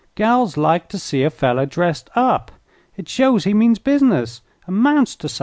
"Gals like to see a feller dressed up. It shows he means business an' 'mounts to somethin'."